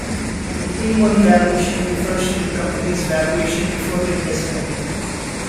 The pre-money valuation refers to the company's valuation before the investment.